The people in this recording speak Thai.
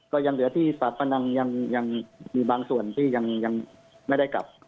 ก็ยังเหลือที่ปากพนังยังมีบางส่วนที่ยังไม่ได้กลับ